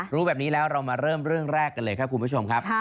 รู้แบบนี้แล้วเรามาเริ่มเรื่องแรกกันเลยครับคุณผู้ชมครับ